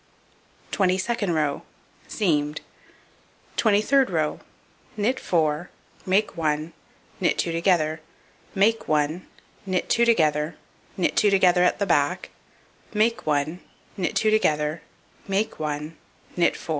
Twenty second row: Seamed. Twenty third row: Knit 4, make 1, knit 2 together, make 1, knit 2 together, knit 2 together at the back, make 1, knit 2 together, make 1, knit 4.